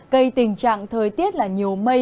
gây tình trạng thời tiết là nhiều mây